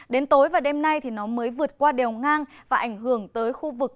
đến tối và đêm nay thì nó mới vượt qua đèo ngang và ảnh hưởng tới khu vực